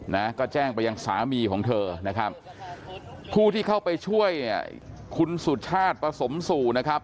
นะก็แจ้งไปยังสามีของเธอนะครับผู้ที่เข้าไปช่วยเนี่ยคุณสุชาติประสมสู่นะครับ